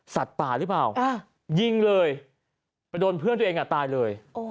ป่าหรือเปล่ายิงเลยไปโดนเพื่อนตัวเองตายเลย